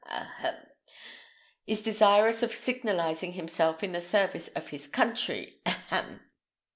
ahem! is desirous of signalizing himself in the service of his country ahem!